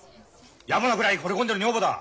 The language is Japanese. やぼなくらいほれ込んでる女房だ！